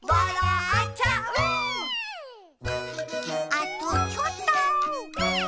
あとちょっと。